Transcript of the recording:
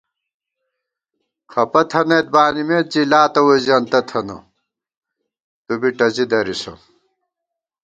خپہ تھنَئیت بانِمېت زی لاتہ ووئی زېنتہ تھنہ تُو بی ٹَزی درِسہ